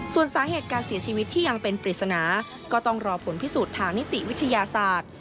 ส่วนสาเหตุการเสียชีวิตที่ยังเป็นปริศนาก็ต้องรอผลพิสูจน์ทางนิติวิทยาศาสตร์